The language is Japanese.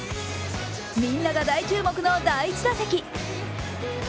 みんなが大注目の第１打席。